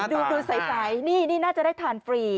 ดูใสนี่น่าจะได้ทานฟรี